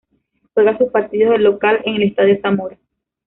Juega sus partidos de local en el Estadio Zamora.